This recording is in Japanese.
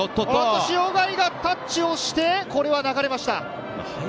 塩貝がタッチをして、これは流れました。